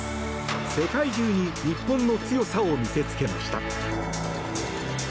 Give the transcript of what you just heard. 世界中に日本の強さを見せつけました。